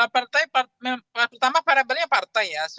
pertama variabelnya partai ya